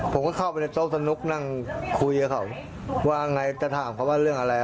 ผมก็เข้าไปในโต๊ะสนุกนั่งคุยกับเขาว่าไงจะถามเขาว่าเรื่องอะไร